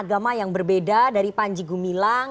agama yang berbeda dari panji gumilang